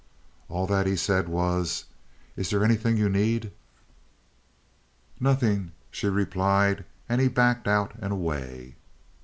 All that he said was: "Is there anything you need?" "Nothing," she replied, and he backed out and away.